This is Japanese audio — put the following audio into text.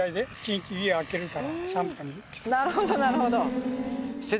なるほどなるほど。